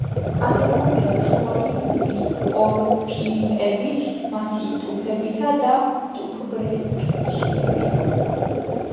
აგებულია შუაიურული პორფირიტებით, მათი ტუფებითა და ტუფბრექჩიებით.